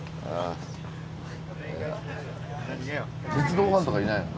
鉄道ファンとかいないの？